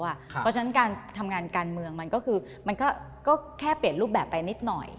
เพราะฉะนั้นการทำงานการเมืองมันก็คือมันก็แค่เปลี่ยนรูปแบบไปนิดหน่อย